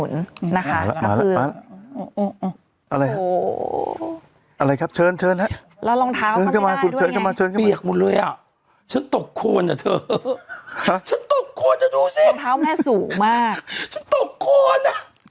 อย่าอำนาจแบบกดปีกเป็นอะไรฉัน